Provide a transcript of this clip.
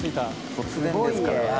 突然ですからね。